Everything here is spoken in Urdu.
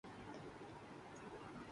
اس کائنات کی ابتدا کیا ہے؟